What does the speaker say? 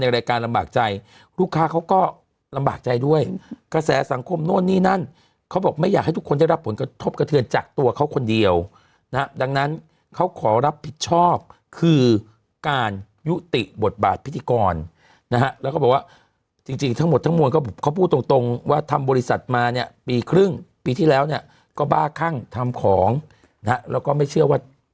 รายการลำบากใจลูกค้าเขาก็ลำบากใจด้วยกระแสสังคมโน่นนี่นั่นเขาบอกไม่อยากให้ทุกคนได้รับผลกระทบกระเทือนจากตัวเขาคนเดียวนะฮะดังนั้นเขาขอรับผิดชอบคือการยุติบทบาทพิธีกรนะฮะแล้วก็บอกว่าจริงจริงทั้งหมดทั้งมวลก็เขาพูดตรงตรงว่าทำบริษัทมาเนี่ยปีครึ่งปีที่แล้วเนี่ยก็บ้าคั่งทำของนะฮะแล้วก็ไม่เชื่อว่า